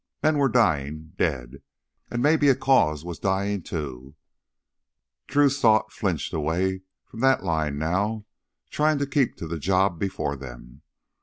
Men were dying, dead ... and maybe a cause was dying, too. Drew's thought flinched away from that line now, trying to keep to the job before them.